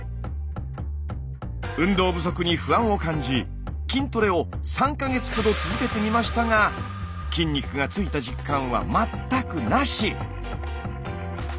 運動不足に不安を感じ筋トレを３か月ほど続けてみましたが筋肉がついた実感は全くなし！